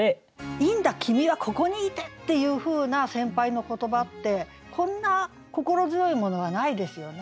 いいんだ君はここにいてっていうふうな先輩の言葉ってこんな心強いものはないですよね。